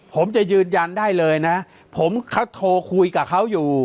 ผมจะยืนยันได้เลยนะผมเขาโทรคุยกับเขาอยู่